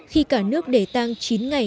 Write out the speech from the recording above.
khi cả nước để tang chín ngày